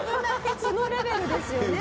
そのレベルですよね。